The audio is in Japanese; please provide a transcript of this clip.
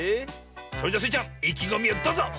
それじゃスイちゃんいきごみをどうぞ！